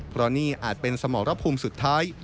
เพราะนี่อาจเป็นสมรภูมิสุดท้าย